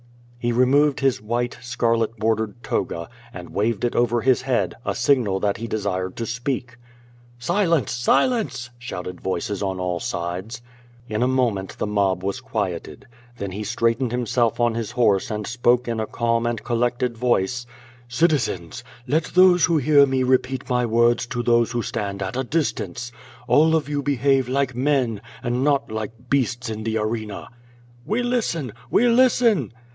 He removed his white, scarlet bordered toga, and waved it over his head, a signal that he desired to speak. '^Silence! Silence!*' shouted voices on all sides. In a moment the mob was quieted. Then he straightened himself on his horse and spoke in a calm and collected voice: ^'Citizens! I^ct those M'ho hear me repeat my words to those who stand at a distance. All of you behave like men, and not like beasts in the arena/' "We listen! We listen!"